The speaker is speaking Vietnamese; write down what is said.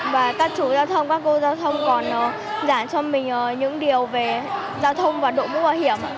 và các chú giao thông các cô giao thông còn giảm cho mình những điều về giao thông và độ mũ bảo hiểm